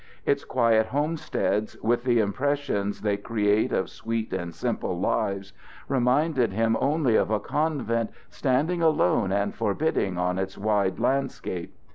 Its quiet homesteads, with the impression they create of sweet and simple lives, reminded him only of a convent standing lonely and forbidding on its wide landscape.